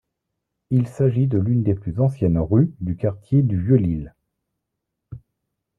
Il s'agit de l'une des plus anciennes rues du quartier du Vieux-Lille.